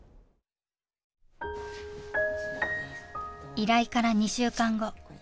依頼から２週間後。